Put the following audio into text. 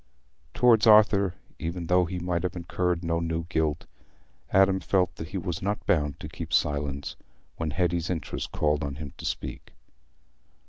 Towards Arthur, even though he might have incurred no new guilt, Adam felt that he was not bound to keep silence when Hetty's interest called on him to speak.